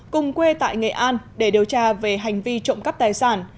cùng quê tại nghệ an để điều tra về hành vi trộm cắp tài sản